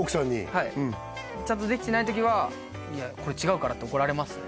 はいちゃんとできてない時は「これ違うから」って怒られますね